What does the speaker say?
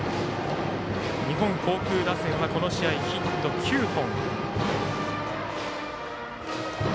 日本航空打線はこの試合ヒット９本。